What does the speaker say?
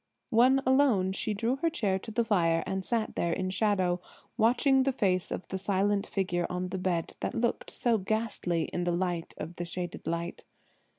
When alone she drew her chair to the fire and sat there in shadow, watching the face of the silent figure on the bed that looked so ghastly in the light of the shaded light.